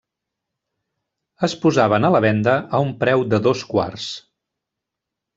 Es posaven a la venda a un preu de dos quarts.